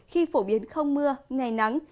khi phổ biến không mưa ngày nắng